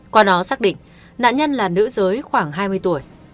qua đó xác định nạn nhân là nữ giới khoảng hai mươi tuổi